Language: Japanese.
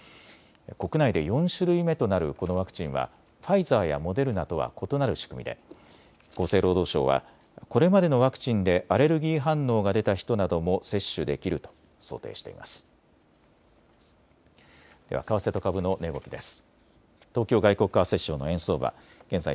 国内で４種類目となるこのワクチンはファイザーやモデルナとは異なる仕組みで厚生労働省はこれまでのワクチンでアレルギー反応が出た人なども接種できると想定しています。